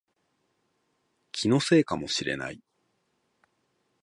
気のせいかもしれない